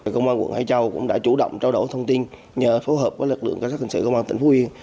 công an quận hải châu cũng đã chủ động trao đổi thông tin nhờ phối hợp với lực lượng cảnh sát hình sự công an tỉnh phú yên